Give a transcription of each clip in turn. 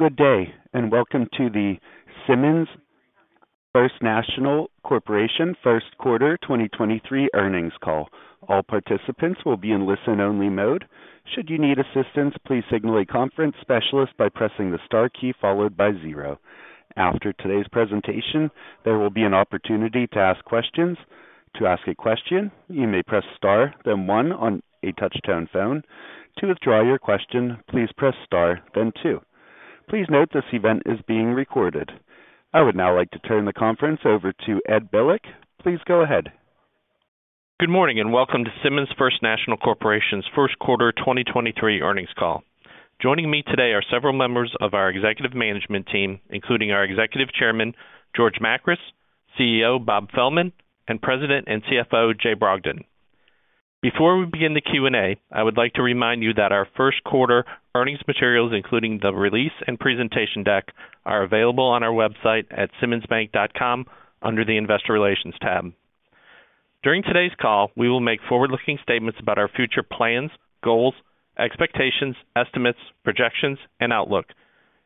Good day, welcome to the Simmons First National Corporation 1st quarter 2023 earnings call. All participants will be in listen-only mode. Should you need assistance, please signal a conference specialist by pressing the star key followed by zero. After today's presentation, there will be an opportunity to ask questions. To ask a question, you may press star, then one on a touch-tone phone. To withdraw your question, please press star, then two. Please note this event is being recorded. I would now like to turn the conference over to Ed Bilek. Please go ahead. Good morning and welcome to Simmons First National Corporation's first quarter 2023 earnings call. Joining me today are several members of our executive management team, including our Executive Chairman, George Makris, CEO, Bob Fehlman, and President and CFO, Jay Brogdon. Before we begin the Q&A, I would like to remind you that our first quarter earnings materials, including the release and presentation deck, are available on our website at simmonsbank.com under the Investor Relations tab. During today's call, we will make forward-looking statements about our future plans, goals, expectations, estimates, projections, and outlook,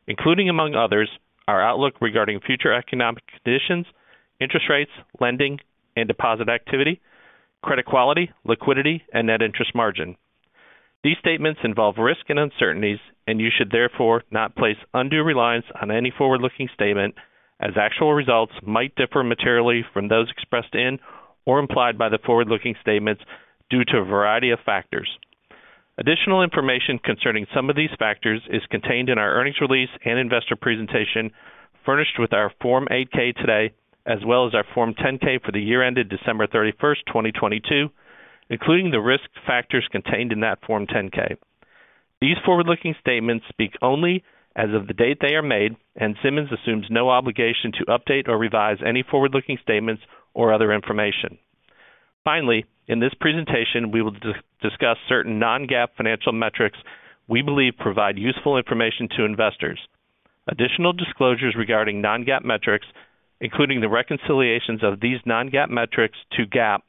including, among others, our outlook regarding future economic conditions, interest rates, lending and deposit activity, credit quality, liquidity, and net interest margin. These statements involve risks and uncertainties. You should therefore not place undue reliance on any forward-looking statement as actual results might differ materially from those expressed in or implied by the forward-looking statements due to a variety of factors. Additional information concerning some of these factors is contained in our earnings release and investor presentation furnished with our Form 8-K today, as well as our Form 10-K for the year ended December 31st, 2022, including the risk factors contained in that Form 10-K. These forward-looking statements speak only as of the date they are made. Simmons assumes no obligation to update or revise any forward-looking statements or other information. Finally, in this presentation, we will discuss certain non-GAAP financial metrics we believe provide useful information to investors. Additional disclosures regarding non-GAAP metrics, including the reconciliations of these non-GAAP metrics to GAAP,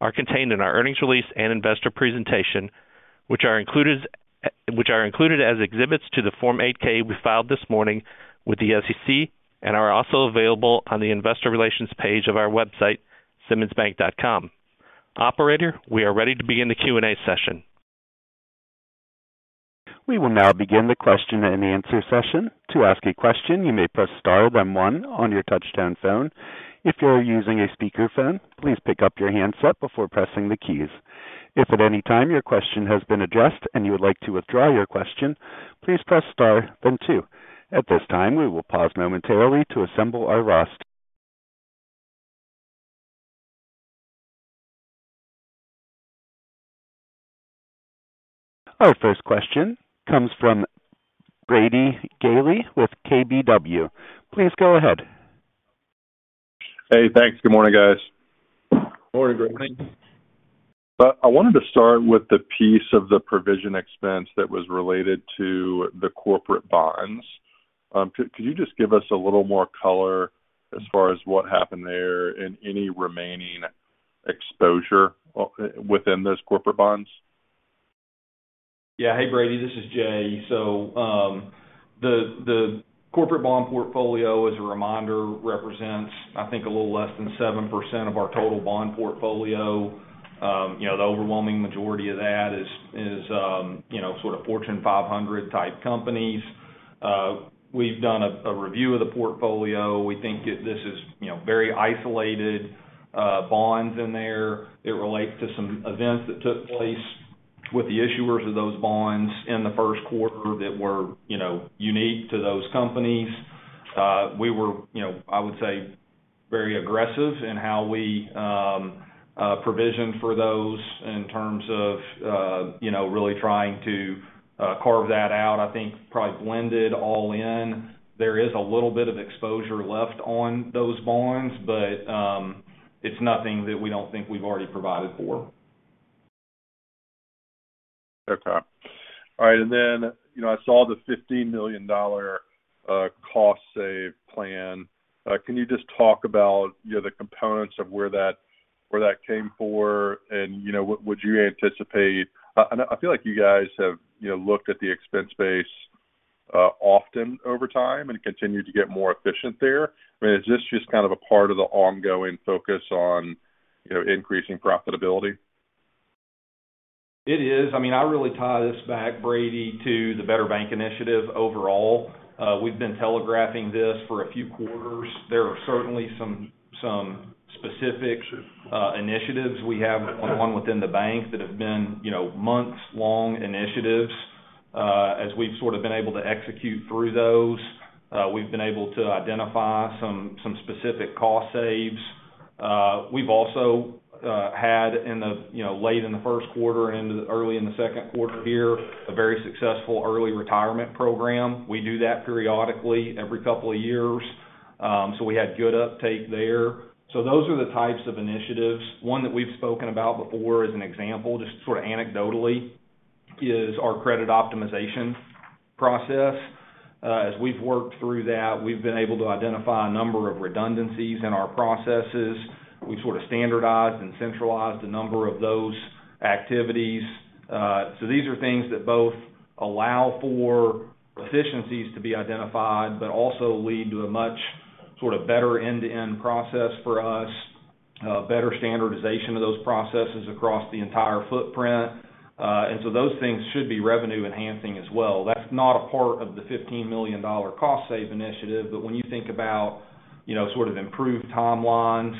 are contained in our earnings release and investor presentation, which are included as exhibits to the Form 8-K we filed this morning with the SEC and are also available on the investor relations page of our website, simmonsbank.com. Operator, we are ready to begin the Q&A session. We will now begin the question-and-answer session. To ask a question, you may press star then one on your touch-tone phone. If you are using a speakerphone, please pick up your handset before pressing the keys. If at any time your question has been addressed and you would like to withdraw your question, please press star then two. At this time, we will pause momentarily to assemble our roster. Our first question comes from Brady Gailey with KBW. Please go ahead. Hey, thanks. Good morning, guys. Morning, Brady. I wanted to start with the piece of the provision expense that was related to the corporate bonds. Could you just give us a little more color as far as what happened there and any remaining exposure within those corporate bonds? Hey, Brady, this is Jay. The corporate bond portfolio, as a reminder, represents, I think, a little less than 7% of our total bond portfolio. You know, the overwhelming majority of that is, you know, sort of Fortune 500 type companies. We've done a review of the portfolio. We think that this is, you know, very isolated bonds in there that relate to some events that took place with the issuers of those bonds in the first quarter that were, you know, unique to those companies. We were, you know, I would say, very aggressive in how we provisioned for those in terms of, you know, really trying to carve that out. I think probably blended all in. There is a little bit of exposure left on those bonds, but, it's nothing that we don't think we've already provided for. Okay. All right. Then, you know, I saw the $50 million cost save plan. Can you just talk about, you know, the components of where that, where that came for and, you know, what would you anticipate? I feel like you guys have, you know, looked at the expense base often over time and continued to get more efficient there. I mean, is this just kind of a part of the ongoing focus on, you know, increasing profitability? It is. I mean, I really tie this back, Brady, to the Better Bank Initiative overall. We've been telegraphing this for a few quarters. There are certainly some specific initiatives we have on within the bank that have been, you know, months-long initiatives. As we've sort of been able to execute through those, we've been able to identify some specific cost saves. We've also had in the, you know, late in the first quarter and early in the second quarter here, a very successful early retirement program. We do that periodically every couple of years. We had good uptake there. Those are the types of initiatives. One that we've spoken about before as an example, just sort of anecdotally, is our credit optimization process. As we've worked through that, we've been able to identify a number of redundancies in our processes. We've sort of standardized and centralized a number of those activities. These are things that both allow for efficiencies to be identified, but also lead to a much. Sort of better end-to-end process for us, better standardization of those processes across the entire footprint. Those things should be revenue-enhancing as well. That's not a part of the $15 million cost save initiative, but when you think about, you know, sort of improved timelines,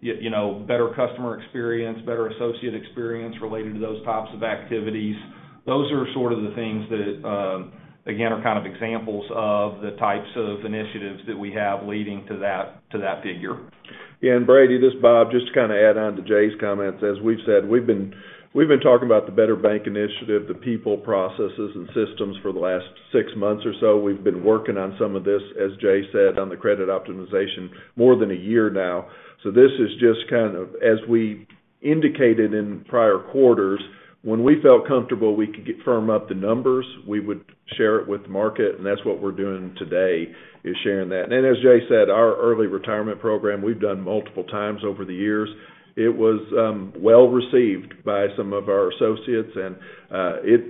you know, better customer experience, better associate experience related to those types of activities, those are sort of the things that, again, are kind of examples of the types of initiatives that we have leading to that figure. Yeah. Brady, this is Bob. Just to kind of add on to Jay's comments. As we've said, we've been talking about the Better Bank Initiative, the people, processes, and systems for the last six months or so. We've been working on some of this, as Jay said, on the credit optimization more than a year now. This is just kind of as we indicated in prior quarters, when we felt comfortable we could firm up the numbers, we would share it with the market. That's what we're doing today, is sharing that. As Jay said, our early retirement program, we've done multiple times over the years. It was well received by some of our associates, and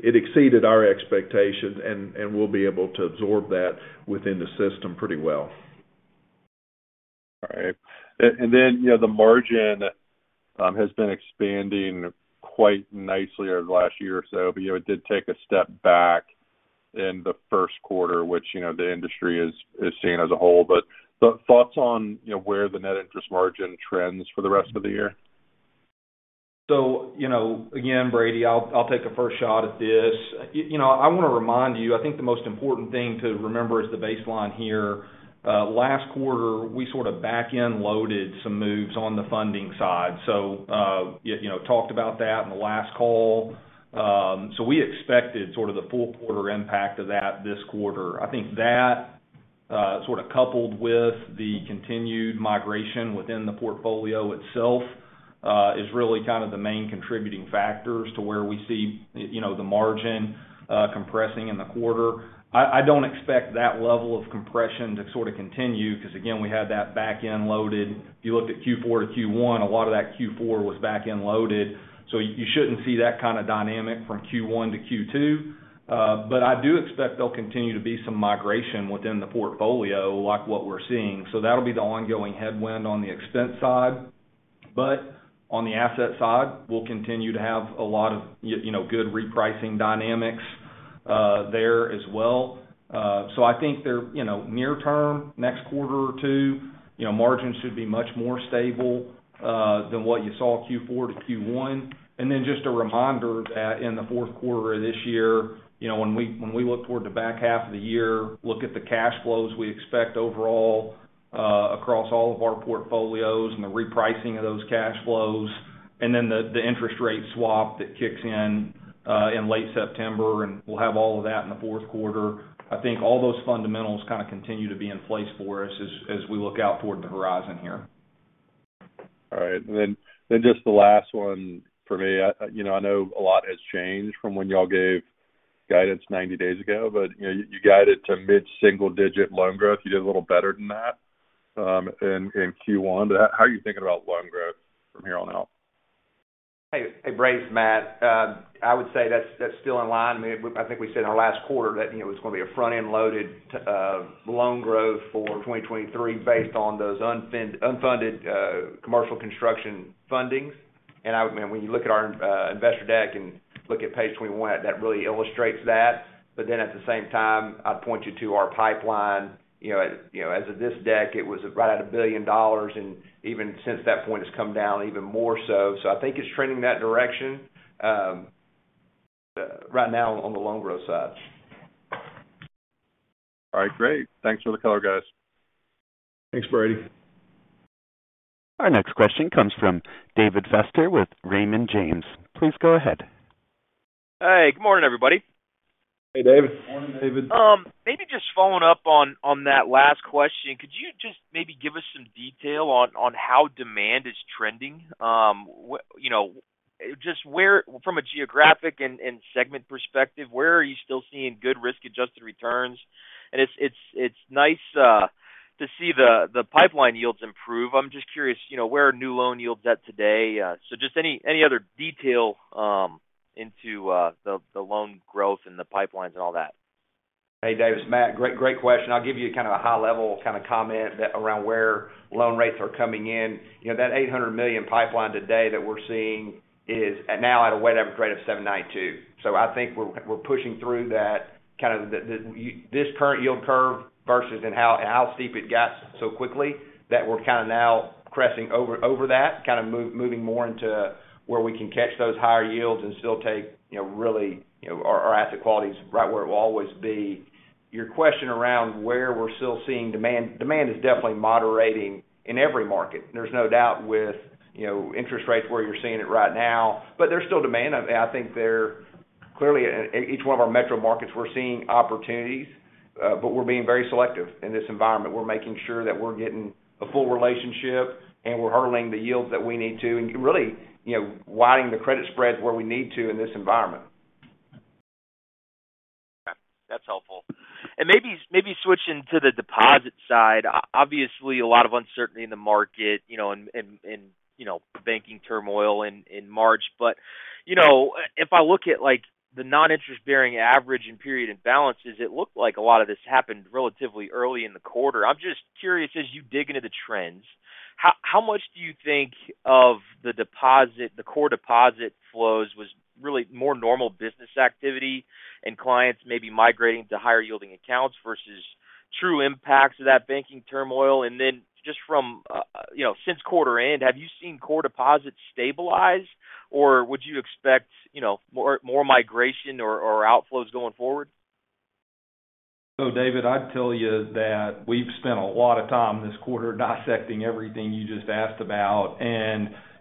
it exceeded our expectations, and we'll be able to absorb that within the system pretty well. All right. Then, you know, the margin has been expanding quite nicely over the last year or so, but, you know, it did take a step back in the first quarter, which, you know, the industry is seeing as a whole. Thoughts on, you know, where the net interest margin trends for the rest of the year? You know, again, Brady, I'll take the first shot at this. You know, I wanna remind you, I think the most important thing to remember is the baseline here. Last quarter, we sort of back-end loaded some moves on the funding side. You know, talked about that in the last call. We expected sort of the full quarter impact of that this quarter. I think that, sort of coupled with the continued migration within the portfolio itself, is really kind of the main contributing factors to where we see, you know, the margin, compressing in the quarter. I don't expect that level of compression to sort of continue, 'cause again, we had that back-end loaded. If you looked at Q4 to Q1, a lot of that Q4 was back-end loaded. You shouldn't see that kind of dynamic from Q1 to Q2. I do expect there'll continue to be some migration within the portfolio like what we're seeing. That'll be the ongoing headwind on the extent side. On the asset side, we'll continue to have a lot of you know, good repricing dynamics, there as well. I think they're, you know, near term, next quarter or two, you know, margins should be much more stable, than what you saw Q4 to Q1. Just a reminder that in the fourth quarter of this year, you know, when we look toward the back half of the year, look at the cash flows we expect overall, across all of our portfolios and the repricing of those cash flows, and then the interest rate swap that kicks in late September, and we'll have all of that in the fourth quarter. I think all those fundamentals kind of continue to be in place for us as we look out toward the horizon here. All right. Then just the last one for me. I, you know, I know a lot has changed from when y'all gave guidance 90 days ago, you know, you guided to mid-single digit loan growth. You did a little better than that in Q1. How are you thinking about loan growth from here on out? Hey, hey, Brady, it's Matt. I would say that's still in line. I mean, I think we said in our last quarter that, you know, it was going to be a front-end loaded loan growth for 2023 based on those unfunded commercial construction fundings. I would when you look at our investor deck and look at page 21, that really illustrates that. At the same time, I'd point you to our pipeline. You know, as of this deck, it was right at $1 billion, and even since that point, it's come down even more so. I think it's trending that direction right now on the loan growth side. All right. Great. Thanks for the color, guys. Thanks, Brady. Our next question comes from David Feaster with Raymond James. Please go ahead. Hey, good morning, everybody. Hey, David. Morning, David. Maybe just following up on that last question. Could you just maybe give us some detail on how demand is trending? you know, just where from a geographic and segment perspective, where are you still seeing good risk-adjusted returns? It's nice to see the pipeline yields improve. I'm just curious, you know, where are new loan yields at today? So just any other detail into the loan growth and the pipelines and all that. Hey, David, it's Matt. Great, great question. I'll give you kind of a high level kind of comment that around where loan rates are coming in. You know, that $800 million pipeline today that we're seeing is at now at a weighted average rate of 7.92. I think we're pushing through that kind of this current yield curve versus in how steep it got so quickly that we're kind of now cresting over that, moving more into where we can catch those higher yields and still take, you know, really, you know, our asset quality's right where it will always be. Your question around where we're still seeing demand is definitely moderating in every market. There's no doubt with, you know, interest rates where you're seeing it right now, but there's still demand. Clearly in each one of our metro markets, we're seeing opportunities. We're being very selective in this environment. We're making sure that we're getting a full relationship and we're hurdling the yields that we need to and really, you know, widening the credit spreads where we need to in this environment. Yeah, that's helpful. Maybe switching to the deposit side. Obviously, a lot of uncertainty in the market, you know, and, you know, banking turmoil in March. You know, if I look at, like, the non-interest-bearing average and period and balances, it looked like a lot of this happened relatively early in the quarter. I'm just curious, as you dig into the trends, how much do you think of the deposit, the core deposit flows was really more normal business activity and clients maybe migrating to higher yielding accounts versus true impacts of that banking turmoil? Then just from, you know, since quarter end, have you seen core deposits stabilize, or would you expect, you know, more migration or outflows going forward? David, I'd tell you that we've spent a lot of time this quarter dissecting everything you just asked about.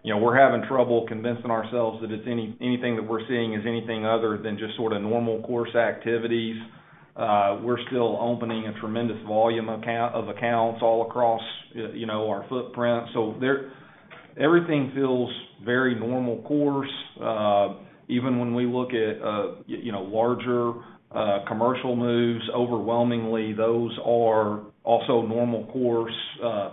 You know, we're having trouble convincing ourselves that anything that we're seeing is anything other than just sort of normal course activities. We're still opening a tremendous volume of accounts all across, you know, our footprint. Everything feels very normal course. Even when we look at, you know, larger commercial moves, overwhelmingly, those are also normal course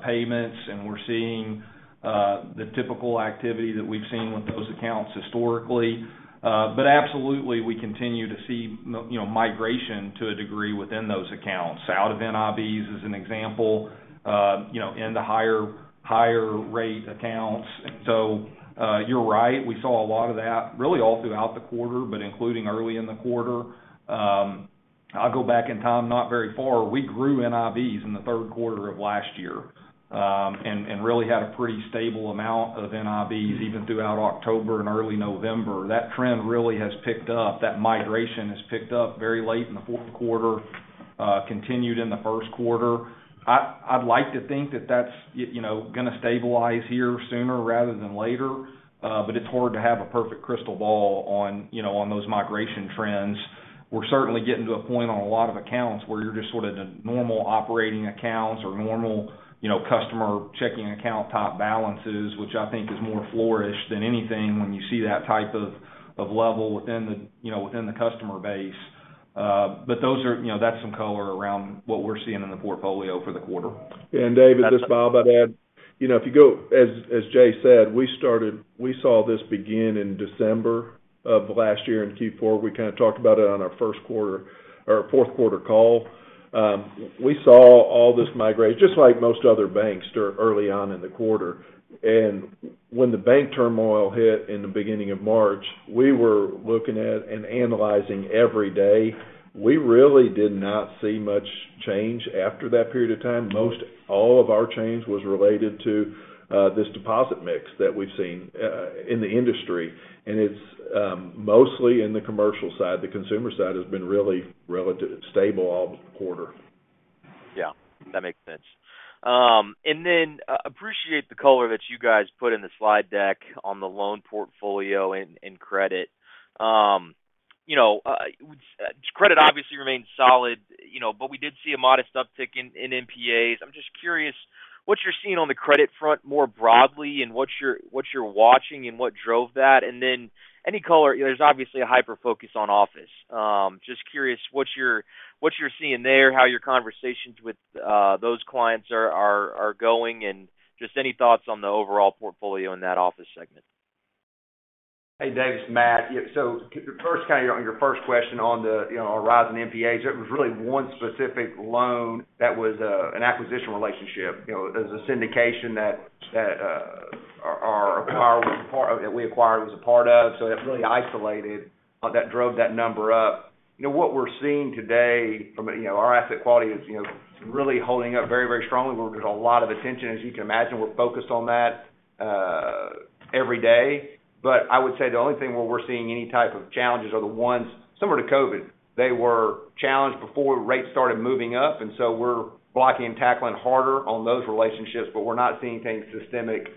payments, and we're seeing the typical activity that we've seen with those accounts historically. Absolutely, we continue to see you know, migration to a degree within those accounts out of NIBs, as an example, you know, in the higher rate accounts. You're right, we saw a lot of that really all throughout the quarter, but including early in the quarter. I'll go back in time, not very far, we grew NIBs in the third quarter of last year, and really had a pretty stable amount of NIBs even throughout October and early November. That trend really has picked up. That migration has picked up very late in the fourth quarter, continued in the first quarter. I'd like to think that that's, you know, gonna stabilize here sooner rather than later, but it's hard to have a perfect crystal ball on, you know, on those migration trends. We're certainly getting to a point on a lot of accounts where you're just sort of the normal operating accounts or normal, you know, customer checking account top balances, which I think is more flourish than anything when you see that type of level within the, you know, within the customer base. You know, that's some color around what we're seeing in the portfolio for the quarter. David, this is Bob. I'd add, you know, if you go as Jay said, we saw this begin in December of last year in Q4. We kind of talked about it on our first quarter or fourth quarter call. We saw all this migrate just like most other banks early on in the quarter. When the bank turmoil hit in the beginning of March, we were looking at and analyzing every day. We really did not see much change after that period of time. Most all of our change was related to this deposit mix that we've seen in the industry, and it's mostly in the commercial side. The consumer side has been really relative stable all quarter. Yeah, that makes sense. Appreciate the color that you guys put in the slide deck on the loan portfolio and credit. You know, credit obviously remains solid, you know, but we did see a modest uptick in NPAs. I'm just curious what you're seeing on the credit front more broadly, and what you're watching and what drove that. Any color, there's obviously a hyper focus on office. Just curious what you're seeing there, how your conversations with those clients are going, and just any thoughts on the overall portfolio in that office segment. First, kind of on your first question on the, you know, a rise in NPAs, it was really one specific loan that was an acquisition relationship, you know, as a syndication that we acquired was a part of, so it really isolated what that drove that number up. You know, what we're seeing today from a, you know, our asset quality is, you know, really holding up very, very strongly. We're getting a lot of attention. As you can imagine, we're focused on that every day. I would say the only thing where we're seeing any type of challenges are the ones similar to COVID. They were challenged before rates started moving up, and so we're blocking and tackling harder on those relationships, but we're not seeing anything systemic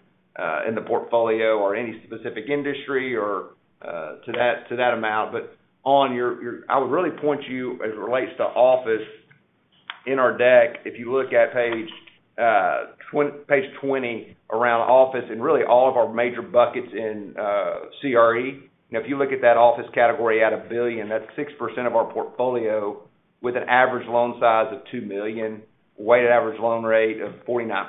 in the portfolio or any specific industry or to that amount. On your, I would really point you as it relates to office in our deck, if you look at page 20 around office and really all of our major buckets in CRE. Now, if you look at that office category at $1 billion, that's 6% of our portfolio with an average loan size of $2 million, weighted average loan rate of 49%.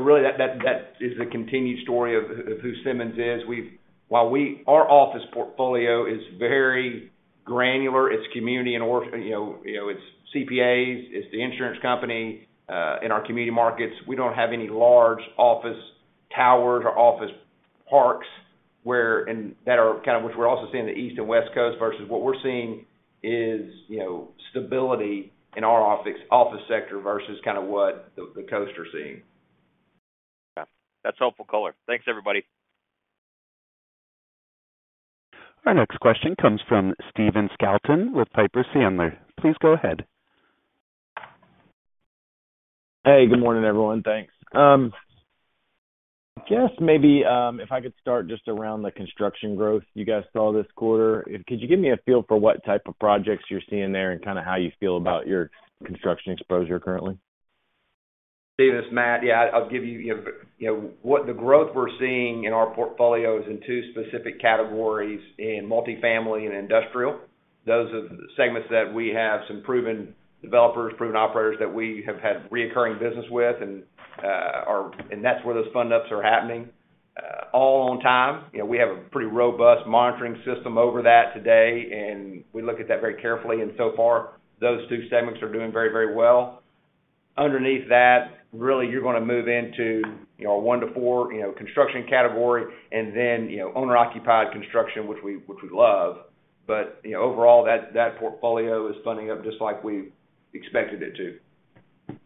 Really that is the continued story of who Simmons is. Our office portfolio is very granular. It's community and you know, it's CPAs, it's the insurance company, in our community markets. We don't have any large office towers or office parks where that are kind of, which we're also seeing the East and West Coast versus what we're seeing is, you know, stability in our office sector versus kind of what the coasts are seeing. Yeah. That's helpful color. Thanks, everybody. Our next question comes from Stephen Scouten with Piper Sandler. Please go ahead. Good morning, everyone. Thanks. I guess maybe, if I could start just around the construction growth you guys saw this quarter. Could you give me a feel for what type of projects you're seeing there and kind of how you feel about your construction exposure currently? Steve, it's Matt. Yeah, I'll give you know, what the growth we're seeing in our portfolio is in two specific categories in multifamily and industrial. Those are the segments that we have some proven developers, proven operators that we have had recurring business with and that's where those fund ups are happening. All on time. You know, we have a pretty robust monitoring system over that today, and we look at that very carefully. So far, those two segments are doing very, very well. Underneath that, really you're gonna move into, you know, 1-4, you know, construction category and then, you know, owner-occupied construction, which we, which we love. You know, overall that portfolio is funding up just like we expected it to.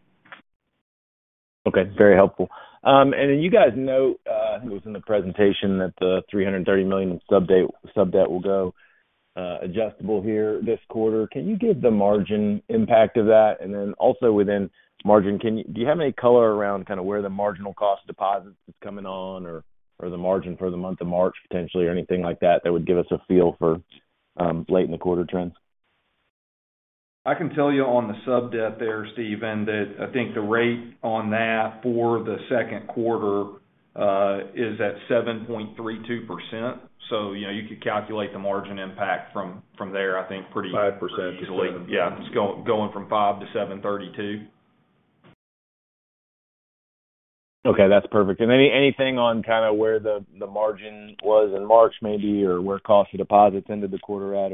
Okay, very helpful. You guys know, I think it was in the presentation that the $330 million of sub-debt will go adjustable here this quarter. Can you give the margin impact of that? Also within margin, do you have any color around kind of where the marginal cost deposits is coming on or the margin for the month of March potentially, or anything like that would give us a feel for late in the quarter trends? I can tell you on the sub-debt there, Stephen, that I think the rate on that for the second quarter is at 7.32%. you know, you could calculate the margin impact from there. 5%-7%. Yeah. It's going from 5% to 7.32%. Okay, that's perfect. Anything on kinda where the margin was in March maybe, or where cost of deposits ended the quarter at?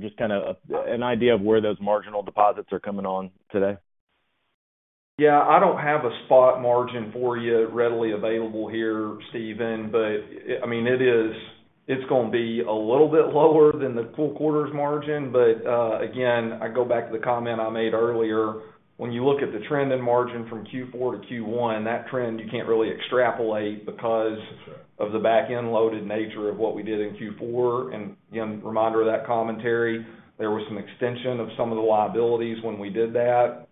Just kinda an idea of where those marginal deposits are coming on today. Yeah. I don't have a spot margin for you readily available here, Stephen, I mean, it's gonna be a little bit lower than the full quarter's margin. Again, I go back to the comment I made earlier. When you look at the trend in margin from Q4 to Q1, that trend you can't really extrapolate because of the back-end loaded nature of what we did in Q4. Again, reminder of that commentary, there was some extension of some of the liabilities when we did that.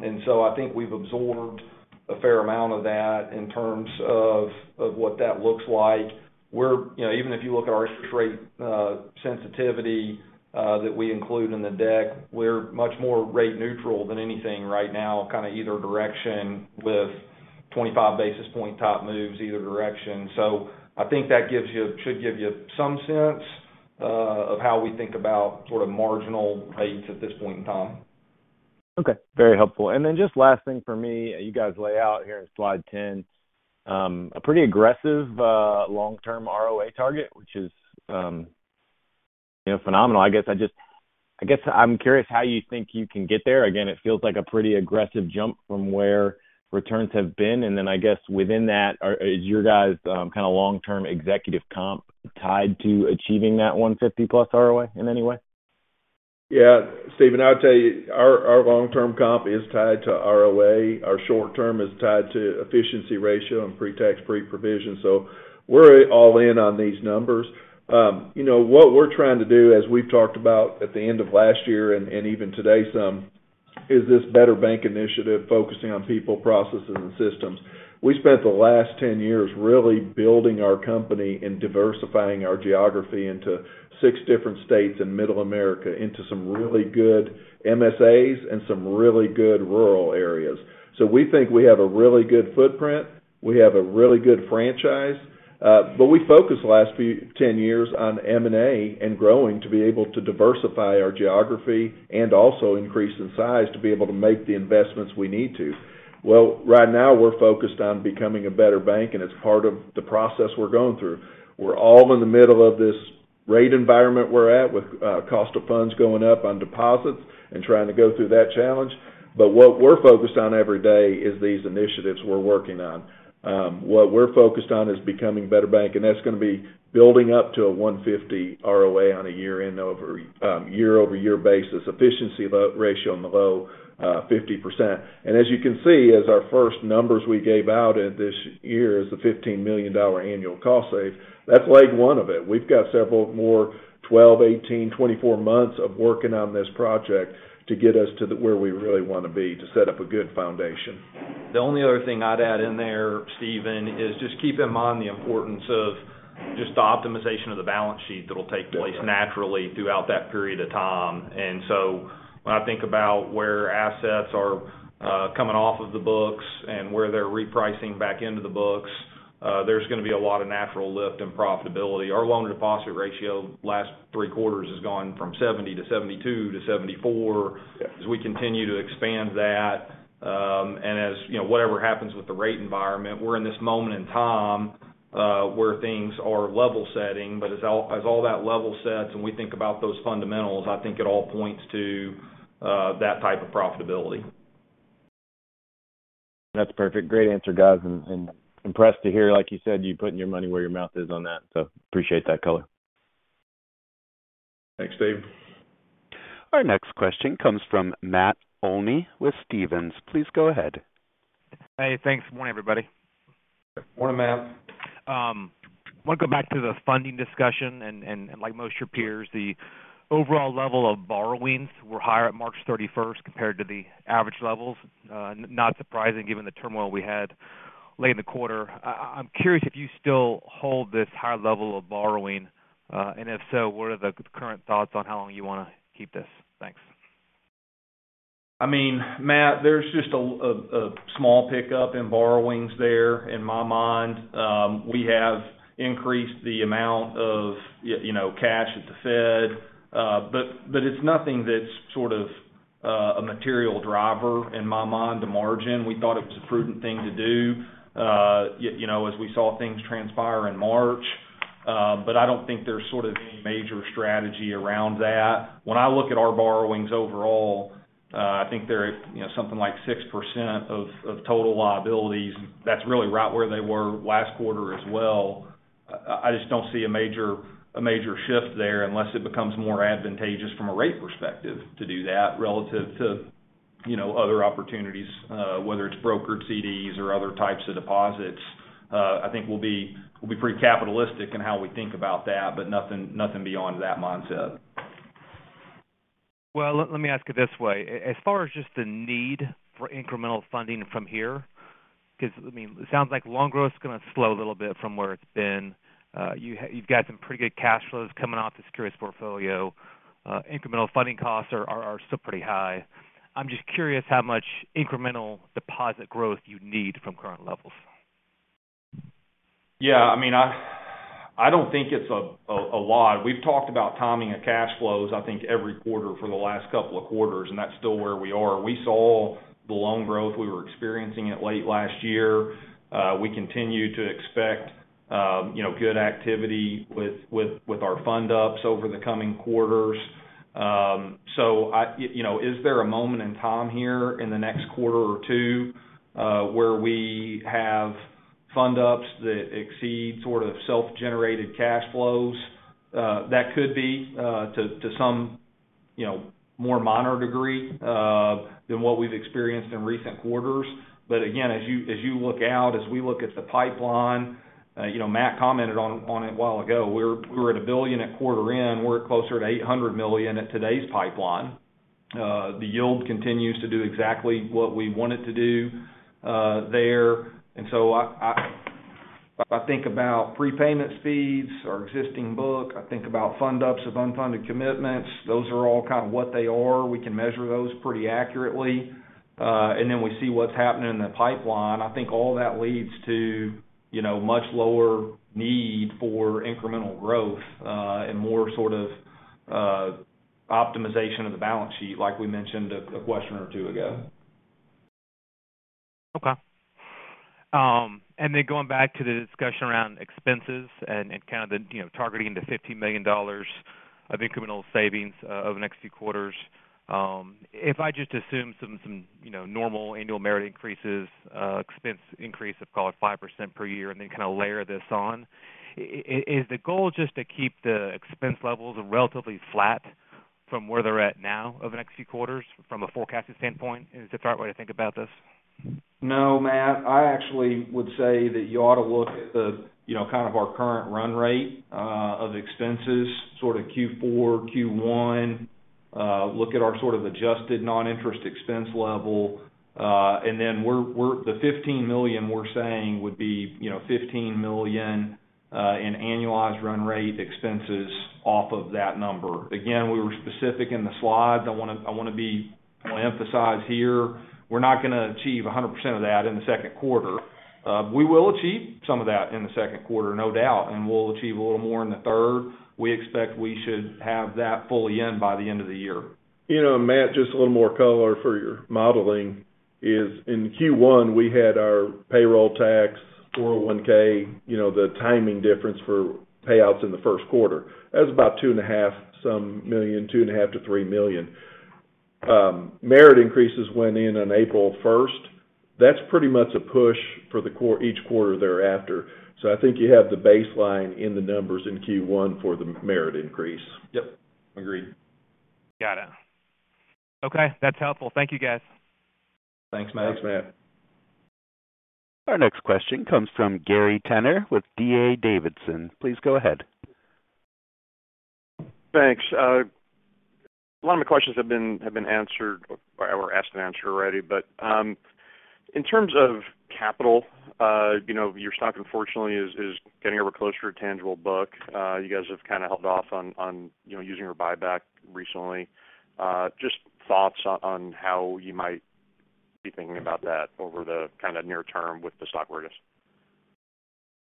I think we've absorbed a fair amount of that in terms of what that looks like. You know, even if you look at our interest rate sensitivity that we include in the deck, we're much more rate neutral than anything right now, kind of either direction with 25 basis point top moves either direction. I think that should give you some sense of how we think about sort of marginal rates at this point in time. Okay, very helpful. Then just last thing for me. You guys lay out here in slide 10, a pretty aggressive, long-term ROA target, which is, you know, phenomenal. I guess I'm curious how you think you can get there. Again, it feels like a pretty aggressive jump from where returns have been. Then I guess within that is your guys', kinda long-term executive comp tied to achieving that 150+ ROA in any way? Yeah. Stephen, I'll tell you, our long-term comp is tied to ROA. Our short term is tied to efficiency ratio and pre-tax pre-provision. We're all in on these numbers. You know, what we're trying to do, as we've talked about at the end of last year and even today some, is this Better Bank Initiative focusing on people, processes and systems. We spent the last 10 years really building our company and diversifying our geography into six different states in Middle America into some really good MSAs and some really good rural areas. We think we have a really good footprint. We have a really good franchise. We focused the last 10 years on M&A and growing to be able to diversify our geography and also increase in size to be able to make the investments we need to. Well, right now we're focused on becoming a better bank, and it's part of the process we're going through. We're all in the middle of this rate environment we're at with cost of funds going up on deposits and trying to go through that challenge. What we're focused on every day is these initiatives we're working on. What we're focused on is becoming a better bank, and that's gonna be building up to a 150 ROA on a year-over-year basis, efficiency ratio in the low 50%. As you can see, as our first numbers we gave out at this year is the $15 million annual cost save. That's leg one of it. We've got several more 12, 18, 24 months of working on this project to get us where we really wanna be to set up a good foundation. The only other thing I'd add in there, Steven, is just keep in mind the importance of just the optimization of the balance sheet that'll take place naturally throughout that period of time. When I think about where assets are coming off of the books and where they're repricing back into the books, there's gonna be a lot of natural lift in profitability. Our loan-to-deposit ratio last three quarters has gone from 70% to 72% to 74%. As we continue to expand that, and as, you know, whatever happens with the rate environment, we're in this moment in time, where things are level setting. As all that level sets and we think about those fundamentals, I think it all points to, that type of profitability. That's perfect. Great answer, guys, and impressed to hear, like you said, you putting your money where your mouth is on that. Appreciate that color. Thanks, Steve. Our next question comes from Matt Olney with Stephens. Please go ahead. Hey, thanks. Good morning, everybody. Morning, Matt. Want to go back to the funding discussion, and like most of your peers, the overall level of borrowings were higher at March 31st compared to the average levels. Not surprising given the turmoil we had late in the quarter. I'm curious if you still hold this high level of borrowing. If so, what are the current thoughts on how long you wanna keep this? Thanks. I mean, Matt, there's just a small pickup in borrowings there in my mind. We have increased the amount of you know, cash at the Fed, but it's nothing that's sort of a material driver in my mind to margin. We thought it was a prudent thing to do, you know, as we saw things transpire in March. I don't think there's sort of any major strategy around that. When I look at our borrowings overall, I think they're, you know, something like 6% of total liabilities. That's really right where they were last quarter as well. I just don't see a major shift there unless it becomes more advantageous from a rate perspective to do that relative to, you know, other opportunities, whether it's brokered CDs or other types of deposits. I think we'll be pretty capitalistic in how we think about that, but nothing beyond that mindset. Well, let me ask it this way. As far as just the need for incremental funding from here, because, I mean, it sounds like loan growth is gonna slow a little bit from where it's been. You've got some pretty good cash flows coming off the securities portfolio. Incremental funding costs are still pretty high. I'm just curious how much incremental deposit growth you need from current levels. I mean, I don't think it's a lot. We've talked about timing of cash flows, I think every quarter for the last couple of quarters, and that's still where we are. We saw the loan growth, we were experiencing it late last year. We continue to expect, you know, good activity with our fund ups over the coming quarters. So, you know, is there a moment in time here in the next quarter or two where we have fund ups that exceed sort of self-generated cash flows? That could be to some, you know, more minor degree than what we've experienced in recent quarters. Again, as you look out, as we look at the pipeline, you know, Matt commented on it a while ago. We were at $1 billion at quarter end, we're closer to $800 million at today's pipeline. The yield continues to do exactly what we want it to do there. I if I think about prepayment speeds, our existing book, I think about fund ups of unfunded commitments, those are all kind of what they are. We can measure those pretty accurately. We see what's happening in the pipeline. I think all that leads to, you know, much lower need for incremental growth and more sort of optimization of the balance sheet, like we mentioned a question or two ago. Okay. Then going back to the discussion around expenses and kind of the, you know, targeting the $50 million of incremental savings over the next few quarters. If I just assume some, you know, normal annual merit increases, expense increase of, call it, 5% per year, and then kind of layer this on, is the goal just to keep the expense levels relatively flat from where they're at now over the next few quarters from a forecasted standpoint? Is the right way to think about this? No, Matt, I actually would say that you ought to look at the, you know, kind of our current run rate of expenses, sort of Q4, Q1. Look at our sort of adjusted non-interest expense level. We're the $15 million we're saying would be, you know, $15 million in annualized run rate expenses off of that number. Again, we were specific in the slides. I wanna emphasize here, we're not gonna achieve 100% of that in the second quarter. We will achieve some of that in the second quarter, no doubt, and we'll achieve a little more in the third. We expect we should have that fully in by the end of the year. You know, Matt, just a little more color for your modeling is in Q1, we had our payroll tax, 401(k), you know, the timing difference for payouts in the first quarter. That's about two and a half some million, two and a half to three million. merit increases went in on April first. That's pretty much a push for each quarter thereafter. I think you have the baseline in the numbers in Q1 for the merit increase. Yep, agreed. Got it. Okay, that's helpful. Thank you, guys. Thanks, Matt. Thanks, Matt. Our next question comes from Gary Tenner with D.A. Davidson. Please go ahead. Thanks. A lot of my questions have been, have been answered or asked and answered already. In terms of capital, you know, your stock unfortunately is getting ever closer to tangible book. You guys have kind of held off on, you know, using your buyback recently. Just thoughts on how you might be thinking about that over the kinda near term with the stock where it is?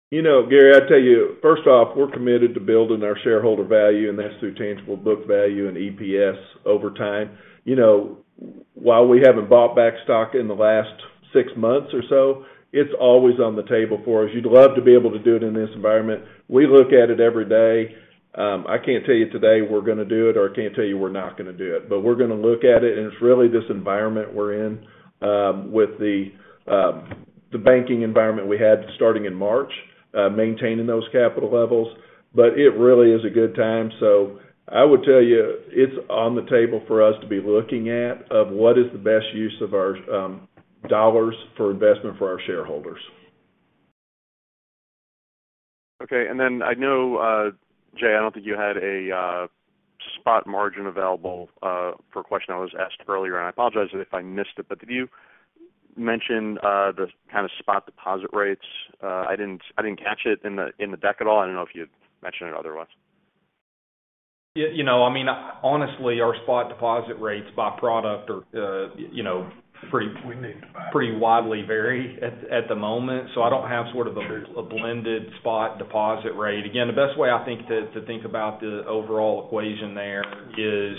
You know, Gary, I tell you, first off, we're committed to building our shareholder value. That's through tangible book value and EPS over time. You know, while we haven't bought back stock in the last six months or so, it's always on the table for us. You'd love to be able to do it in this environment. We look at it every day. I can't tell you today we're gonna do it. I can't tell you we're not gonna do it. We're gonna look at it. It's really this environment we're in with the banking environment we had starting in March, maintaining those capital levels. It really is a good time, so I would tell you it's on the table for us to be looking at of what is the best use of our dollars for investment for our shareholders. Okay. I know, Jay, I don't think you had a spot margin available for a question that was asked earlier, and I apologize if I missed it, did you mention the kind of spot deposit rates? I didn't catch it in the deck at all. I don't know if you mentioned it otherwise. Yeah, you know, I mean, honestly, our spot deposit rates by product are, you know, pretty widely varied at the moment. I don't have sort of a blended spot deposit rate. The best way I think to think about the overall equation there is.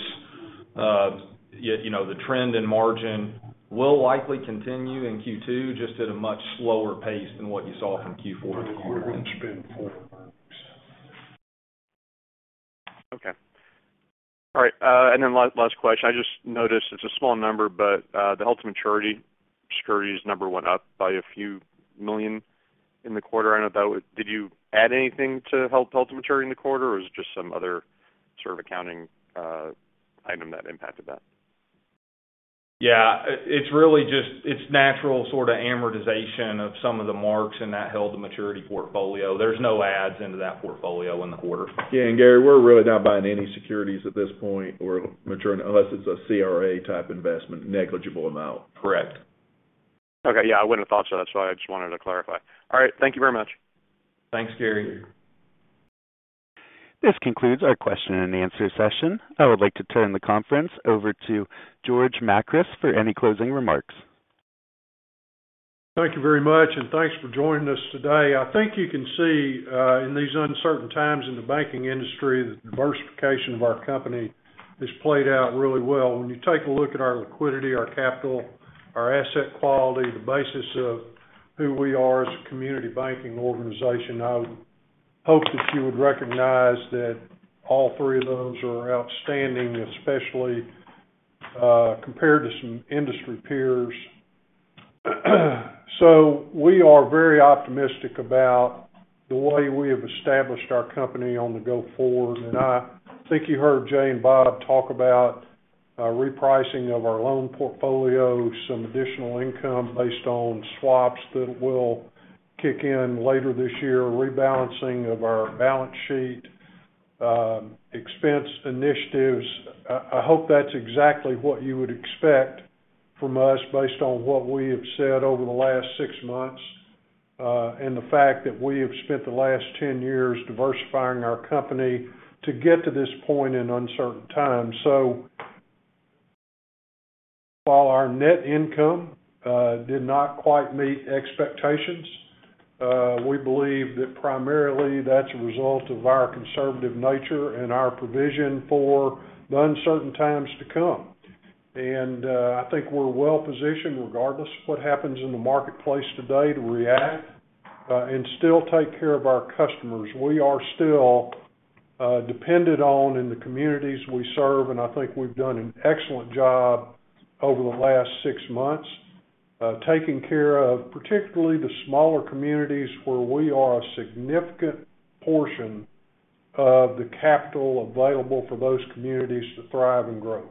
You know, the trend in margin will likely continue in Q2, just at a much slower pace than what you saw from Q4. Okay. All right, last question. I just noticed it's a small number, the held-to-maturity securities number went up by a few million in the quarter. I know that Did you add anything to held-to-maturity in the quarter, or was it just some other sort of accounting item that impacted that? Yeah. It's really just, it's natural sorta amortization of some of the marks in that held-to-maturity portfolio. There's no adds into that portfolio in the quarter. Yeah, Gary, we're really not buying any securities at this point. We're maturing, unless it's a CRA-type investment, negligible amount. Correct. Okay. Yeah, I wouldn't have thought so, that's why I just wanted to clarify. All right, thank you very much. Thanks, Gary. This concludes our question-and-answer session. I would like to turn the conference over to George Makris for any closing remarks. Thank you very much. Thanks for joining us today. I think you can see, in these uncertain times in the banking industry, the diversification of our company has played out really well. When you take a look at our liquidity, our capital, our asset quality, the basis of who we are as a community banking organization, I would hope that you would recognize that all three of those are outstanding, especially, compared to some industry peers. We are very optimistic about the way we have established our company on the go forward. I think you heard Jay and Bob talk about repricing of our loan portfolio, some additional income based on swaps that will kick in later this year, rebalancing of our balance sheet, expense initiatives. I hope that's exactly what you would expect from us based on what we have said over the last six months, and the fact that we have spent the last 10 years diversifying our company to get to this point in uncertain times. While our net income did not quite meet expectations, we believe that primarily that's a result of our conservative nature and our provision for the uncertain times to come. I think we're well positioned, regardless of what happens in the marketplace today, to react, and still take care of our customers. We are still, depended on in the communities we serve, and I think we've done an excellent job over the last six months, taking care of particularly the smaller communities where we are a significant portion of the capital available for those communities to thrive and grow.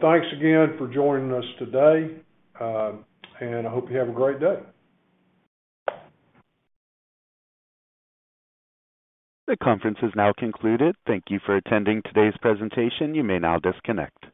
Thanks again for joining us today. I hope you have a great day. The conference is now concluded. Thank you for attending today's presentation. You may now disconnect.